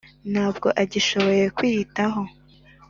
ntabwo agishoboye kwiyitaho,